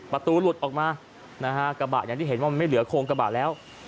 ประตูหลุดออกมานะฮะกระบะอย่างที่เห็นว่ามันไม่เหลือโครงกระบะแล้ว